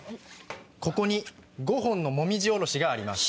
ここに５本のもみじおろしがあります。